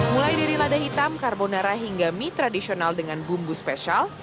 mulai dari lada hitam karbonara hingga mie tradisional dengan bumbu spesial